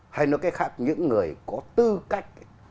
hay nói cái khác những người có tư cách